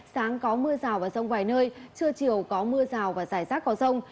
sáng có mưa rào và rông vài nơi trưa chiều có mưa rào và rải rác có rông